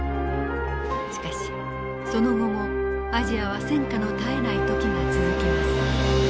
しかしその後もアジアは戦火の絶えない時が続きます。